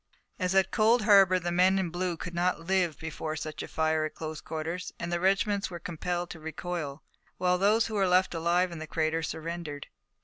As at Cold Harbor, the men in blue could not live before such a fire at close quarters, and the regiments were compelled to recoil, while those who were left alive in the crater surrendered.